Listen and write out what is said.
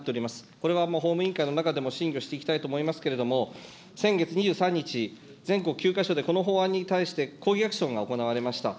これはもう法務委員会の中でも審議をしていきたいと思いますけれども、先月２３日、全国９か所でこの法案に対して抗議アクションが行われました。